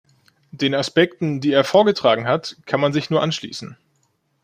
Den Aspekten, die er vorgetragen hat, kann man sich nur anschließen.